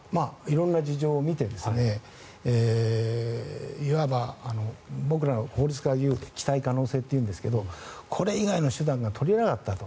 色んな事情を見ていわば僕ら、法律家で言うと期待可能性というんですがこれ以外の手段が取れなかったと。